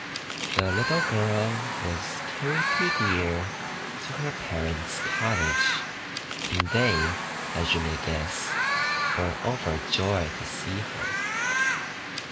The little girl was carried through the air to her parent's cottage; and they, as you may guess, were overjoyed to see her.